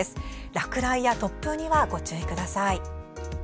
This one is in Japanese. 落雷や突風にご注意ください。